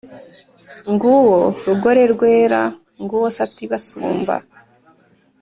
Nguwo rugore rwera, Nguwo sata ibasumba,